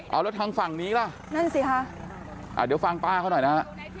เอาแล้วทางฝั่งนี้ล่ะนั่นสิค่ะเดี๋ยวฟังป้าเขาหน่อยนะฮะ